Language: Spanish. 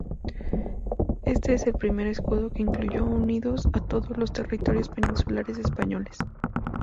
Este es el primer escudo que incluyó unidos a todos los territorios peninsulares españoles.